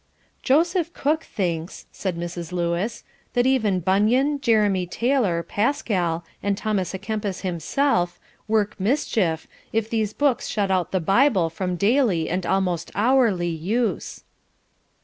"Joseph Cook thinks," said Mrs. Lewis, "that even Bunyan, Jeremy Taylor, Pascal, and Thomas a'Kempis himself, work mischief, if these books shut out the Bible from daily and almost hourly use.'